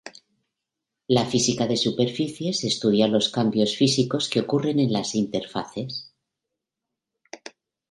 La física de superficies estudia los cambios físicos que ocurren en las interfaces.